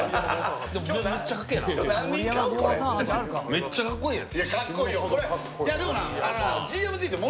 めっちゃかっこいいやん。